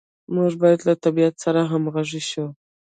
موږ باید له طبیعت سره همغږي شو.